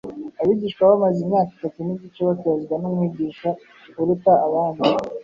Abigishwa bamaze imyaka itatu n’igice batozwa n’Umwigisha uruta abandi